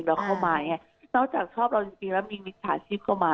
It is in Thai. นอกจากชอบเราจริงแล้วมีมิตรฐานชีพเข้ามา